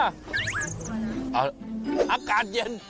อ้าวอากาศเย็น